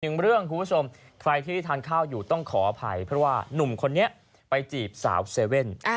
หนึ่งเรื่องคุณผู้ชมใครที่ทานข้าวอยู่ต้องขออภัยเพราะว่านุ่มคนนี้ไปจีบสาวเซเว่น